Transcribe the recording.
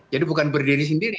jadi bukan berdiri sendiri